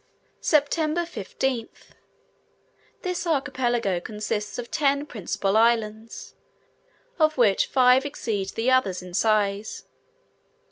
SEPTEMBER 15th. This archipelago consists of ten principal islands, of which five exceed the others in size.